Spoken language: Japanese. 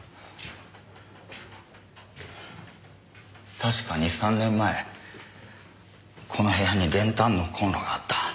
確かに３年前この部屋に練炭のコンロがあった。